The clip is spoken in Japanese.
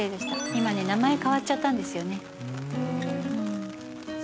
今名前変わっちゃったんですよ。